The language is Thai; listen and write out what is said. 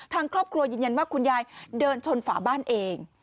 ทางครอบครัวยืนยันว่าคุณยายเดินชนฝาบ้านเอง